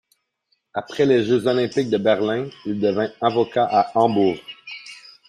Après les Jeux olympiques de Berlin, il devint avocat à Hambourg.